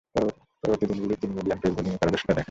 পরবর্তী দিনগুলোয় তিনি medium pace বোলিংয়ে পারদর্শীতা দেখান।